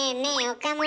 岡村。